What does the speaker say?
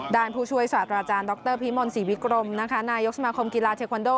ด้านผู้ช่วยสวัสดิ์อาจารย์ดรพีมนธ์ศรีวิกรมในยกสมาคมกีฬาเทควันโด